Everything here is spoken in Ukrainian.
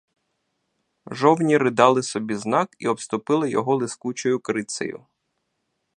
Жовніри дали собі знак і обступили його лискучою крицею.